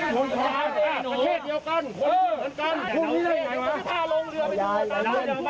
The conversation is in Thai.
พวกนี้ไม่ถูกหรอก